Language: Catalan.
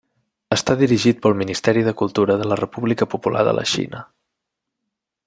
Està dirigit pel Ministeri de Cultura de la República Popular de la Xina.